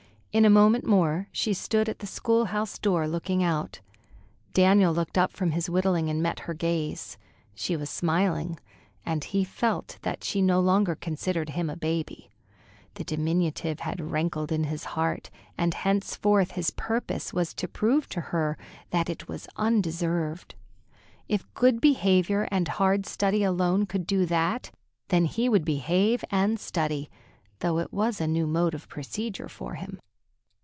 In a moment more she stood at the school house door, looking out. Daniel looked up from his whittling and met her gaze. She was smiling, and he felt that she no longer considered him a baby. The diminutive had rankled in his heart, and henceforth his purpose was to prove to her that it was undeserved. If good behavior and hard study alone could do that, then he would behave and study, though it was a new mode of procedure for him.